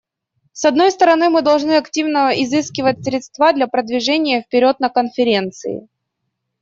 С одной стороны, мы должны активно изыскивать средства для продвижения вперед на Конференции.